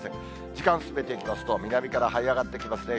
時間進めていきますと、南からはい上がってきますね。